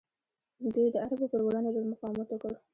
دوی د عربو پر وړاندې ډیر مقاومت وکړ